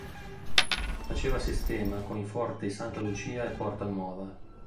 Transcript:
Faceva sistema con i forti Santa Lucia e Porta Nuova.